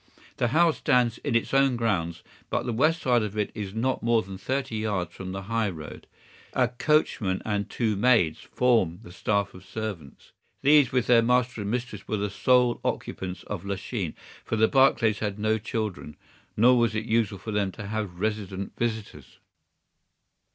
The house stands in its own grounds, but the west side of it is not more than thirty yards from the high road. A coachman and two maids form the staff of servants. These with their master and mistress were the sole occupants of Lachine, for the Barclays had no children, nor was it usual for them to have resident visitors.